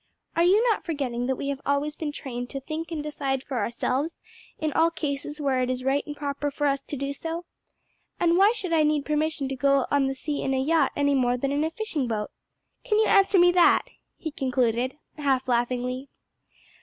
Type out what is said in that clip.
Are you not forgetting that we have always been trained to think and decide for ourselves in all cases where it is right and proper for us to do so? And why should I need permission to go on the sea in a yacht any more than in a fishing boat? Can you answer me that?" he concluded, half laughingly.